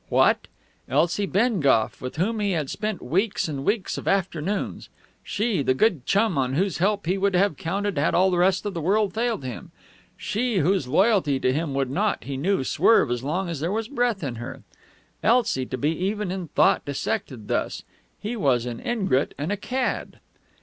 What! Elsie Bengough, with whom he had spent weeks and weeks of afternoons she, the good chum, on whose help he would have counted had all the rest of the world failed him she, whose loyalty to him would not, he knew, swerve as long as there was breath in her Elsie to be even in thought dissected thus! He was an ingrate and a cad....